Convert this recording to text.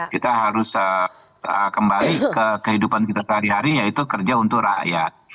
kita harus kembali ke kehidupan kita hari hari yaitu kerja untuk rakyat